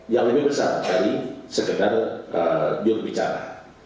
yang lebih besar dari sekedar jurubicara